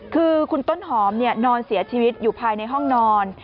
คือคุณต้นหอมนอนเสียชีวิตอยู่ภายในห้องนอน